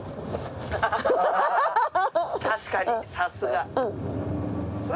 確かにさすが。わ！